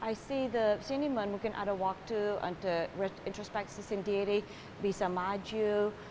i see the cinema mungkin ada waktu untuk introspeksi sendiri bisa maju